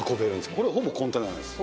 これほぼコンテナなんです。